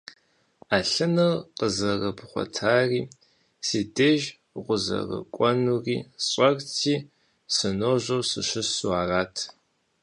Ӏэлъыныр къызэрыбгъуэтари си деж укъызэрыкӀуэнури сщӀэрти, сыножьэу сыщысу арат.